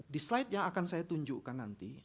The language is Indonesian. di slide yang akan saya tunjukkan nanti